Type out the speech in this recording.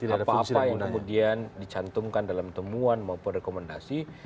apa apa yang kemudian dicantumkan dalam temuan maupun rekomendasi